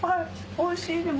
おいしいでも。